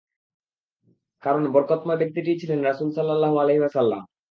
কারণ, বরকতময় ব্যক্তিটিই ছিলেন রাসূলুল্লাহ সাল্লাল্লাহু আলাইহি ওয়াসাল্লাম।